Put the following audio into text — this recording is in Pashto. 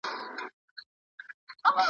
ټوله لمده دې کړم بارانه